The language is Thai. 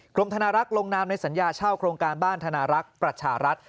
ธนารักษ์ลงนามในสัญญาเช่าโครงการบ้านธนารักษ์ประชารัฐ